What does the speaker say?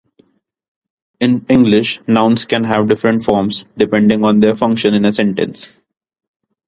In English, nouns can have different forms depending on their function in a sentence.